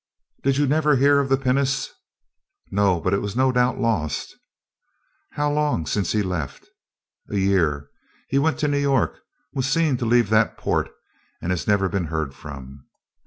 "Did you never hear of the pinnace?" "No; but it was no doubt lost." "How long since he left?" "A year. He went to New York, was seen to leave that port, and has never been heard from."